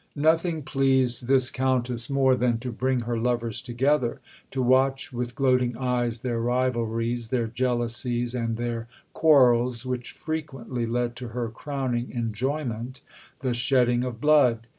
Nothing pleased this Countess more than to bring her lovers together, to watch with gloating eyes their rivalries, their jealousies, and their quarrels, which frequently led to her crowning enjoyment the shedding of blood.